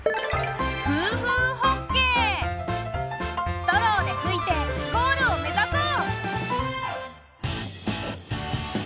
ストローでふいてゴールをめざそう！